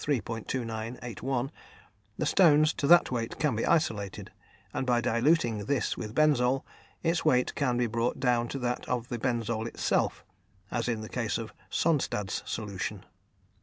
2981, the stones to that weight can be isolated, and by diluting this with benzole, its weight can be brought down to that of the benzole itself, as in the case of Sonstadt's solution.